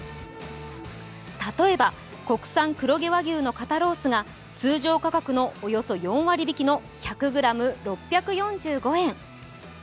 例えば、国産黒毛和牛の肩ロースが通常価格のおよそ４割引きの１００ｇ、６４５円。